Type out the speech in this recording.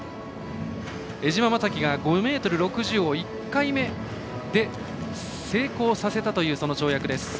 江島雅紀が５ｍ６０を１回目で成功させたという跳躍です。